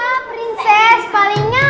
ya prinses palingan